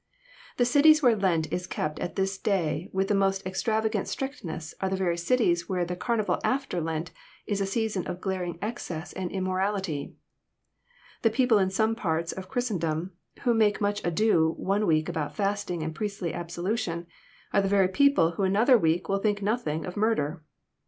The cities where Lent is kept at this day with the most extravagant strictness are the very cities where the carnival after Lent is a season of glaring excess and immorality. The people in some parts of Chris tendom, who make much ado one week about fasting and priestly absolution, are the very people who another week will think nothing of murder!